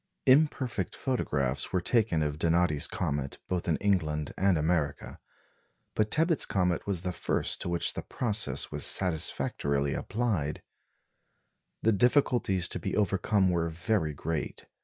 Imperfect photographs were taken of Donati's comet both in England and America; but Tebbutt's comet was the first to which the process was satisfactorily applied. The difficulties to be overcome were very great.